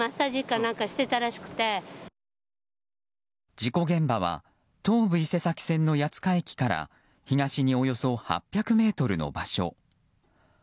事故現場は東武伊勢崎線の谷塚駅から東におよそ８００ｍの場所。